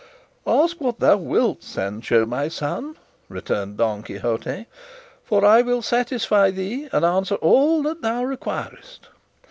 "Ask what thou wilt, Sancho my son," returned Don Quixote, "for I will satisfy thee and answer all thou requirest.